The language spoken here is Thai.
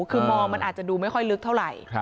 คือมองมันอาจจะดูไม่ค่อยลึกเท่าไหร่